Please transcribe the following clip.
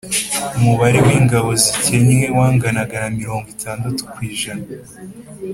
umubare w'ingo zikennye wanganaga na mirongo itandatu ku ijana .